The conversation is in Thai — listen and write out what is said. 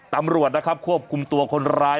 ตำรวจนะครับควบคุมตัวคนร้าย